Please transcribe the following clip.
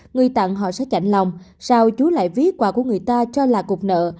người tặng họ sẽ cạnh lòng sao chú lại viết quà của người ta cho là cục nợ